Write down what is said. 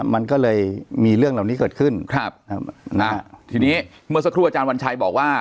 มันก็เลยมีเรื่องเหล่านี้เกิดขึ้นครับนะทีนี้เมื่อสักครู่อาจารย์วันชัยบอกว่า